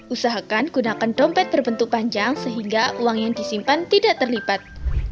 usahakan gunakan dompet berbentuk panjang sehingga uang yang disimpan tidak terlipat